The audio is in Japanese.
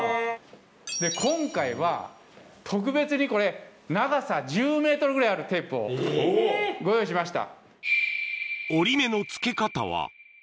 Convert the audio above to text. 今回は特別にこれ長さ１０ｍぐらいあるテープをご用意しました。